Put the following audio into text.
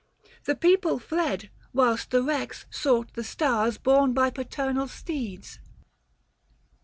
The people fled, whilst the Kex sought the stars Borne by paternal steeds.